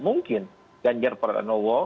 mungkin ganjar pernowo